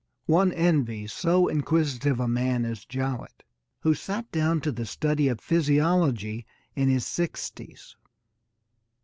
One envies so inquisitive a man as Jowett, who sat down to the study of physiology in his sixties.